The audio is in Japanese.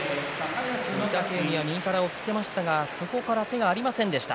御嶽海は右から押っつけましたがそこから手が上がりませんでした。